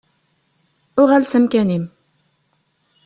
Uɣal s amkan-im.